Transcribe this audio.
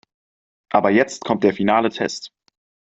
Aber jetzt kommt der finale Test.